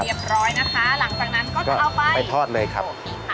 หลังจากนั้นก็จะเอาไปไปทอดเลยครับ